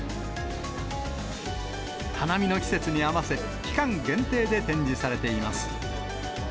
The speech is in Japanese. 花見の季節に合わせ、期間限定で展示されています。